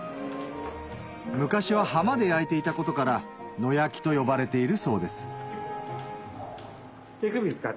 昔は浜で焼いていたことから「野焼き」と呼ばれているそうです